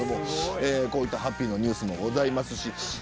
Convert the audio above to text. こういったハッピーなニュースもございます。